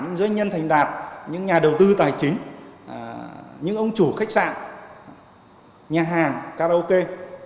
những doanh nhân thành đạt những nhà đầu tư tài chính những ông chủ khách sạn nhà hàng karaoke